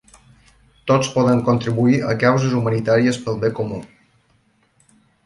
Tots podem contribuir a causes humanitàries pel bé comú.